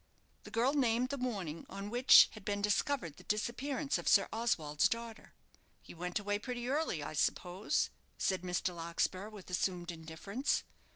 The girl named the morning on which had been discovered the disappearance of Sir Oswald's daughter. "He went away pretty early, I suppose?" said Mr. Larkspur, with assumed indifference.